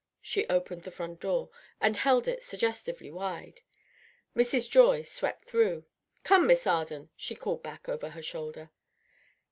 She opened the front door, and held it suggestively wide. Mrs. Joy swept through. "Come, Miss Arden," she called back over her shoulder.